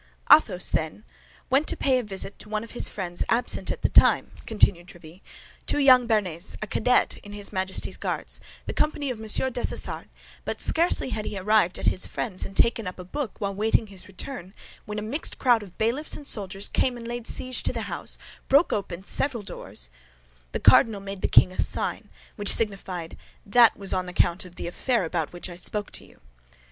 "Athos, then, went to pay a visit to one of his friends absent at the time," continued Tréville, "to a young Béarnais, a cadet in his Majesty's Guards, the company of Monsieur Dessessart, but scarcely had he arrived at his friend's and taken up a book, while waiting his return, when a mixed crowd of bailiffs and soldiers came and laid siege to the house, broke open several doors—" The cardinal made the king a sign, which signified, "That was on account of the affair about which I spoke to you."